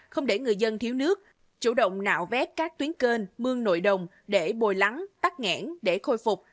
không để người dân thiếu nước chủ động nạo vét các tuyến kênh mương nội đồng để bồi lắng tắt nghẽn để khôi phục